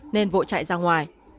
nên vội chạy ra ngoài